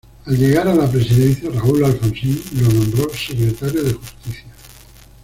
Al llegar a la presidencia Raúl Alfonsín, lo nombró Secretario de Justicia.